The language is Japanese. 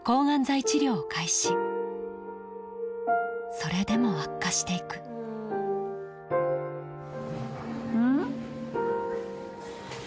それでも悪化していく・ん？